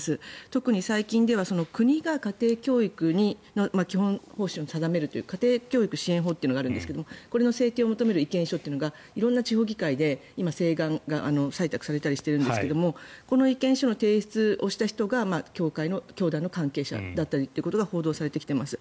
特に最近では国が家庭教育の基本方針を定めるという家庭教育支援法というのがあるんですがこれの制定を求める意見書というのが色んな議会で請願がされていたりするんですがこの意見書の提出をした人が教団の関係者だったりということが報道されてきています。